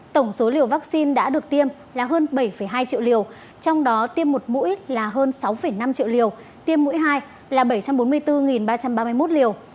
tổng số liều vaccine đã được tiêm là hơn bảy hai triệu liều trong đó tiêm một mũi là hơn sáu năm triệu liều tiêm mũi hai là bảy trăm bốn mươi bốn ba trăm ba mươi một liều